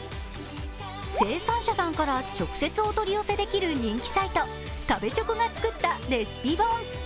生産者さんから直接お取り寄せできる人気サイト食べチョクが作ったレシピ本。